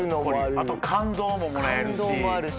あと感動ももらえるし。